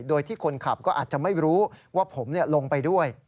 โดยที่คนขับก็อาจจะไม่รู้ว่าผมลงไปด้วย